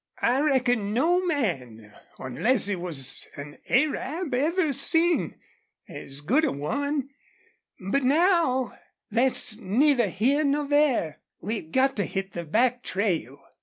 I reckon no man, onless he was an Arab, ever seen as good a one. But now, thet's neither here nor there.... We've got to hit the back trail."